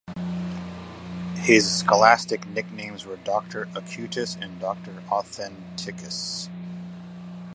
His scholastic nicknames were "Doctor acutus" and "Doctor authenticus".